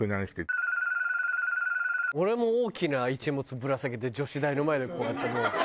俺も大きなイチモツぶら下げて女子大の前でこうやってもう。